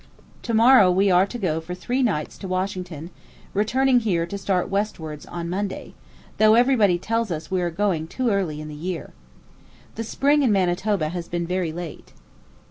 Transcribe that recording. To morrow we are to go for three nights to Washington, returning here to start westwards on Monday, though everybody tells us we are going too early in the year. The spring in Manitoba has been very late.